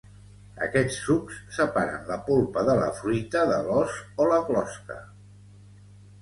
Aquests sucs separen la polpa de la fruita de l"ós o la closca.